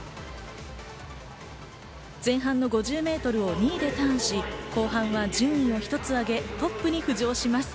前半の５０ｍを２位でターンし、後半は順位を一つ上げトップに浮上します。